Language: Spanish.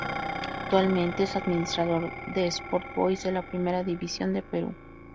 Actualmente es administrador de Sport Boys de la Primera División del Perú.